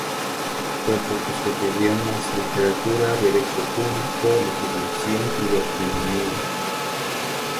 Fue profesor de idiomas, literatura, derecho público, legislación y economía.